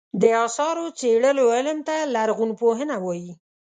د اثارو څېړلو علم ته لرغونپوهنه وایې.